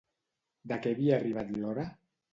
De què havia arribat l'hora?